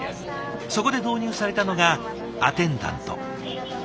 そこで導入されたのがアテンダント。